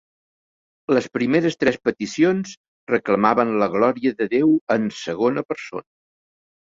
Les primeres tres peticions reclamaven la glòria de Déu en segona persona.